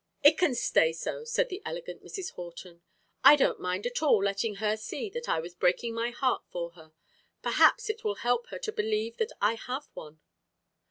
"It can stay so!" said the elegant Mrs. Horton. "I don't mind at all letting her see that I was breaking my heart for her. Perhaps it will help her to believe that I have one."